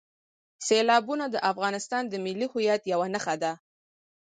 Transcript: سیلابونه د افغانستان د ملي هویت یوه نښه ده.